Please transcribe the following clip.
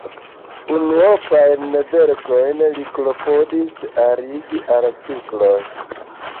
Unuopajn verkojn li klopodis arigi al cikloj.